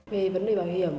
về vấn đề bảo hiểm